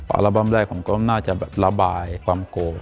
อัลบั้มแรกผมก็น่าจะระบายความโกรธ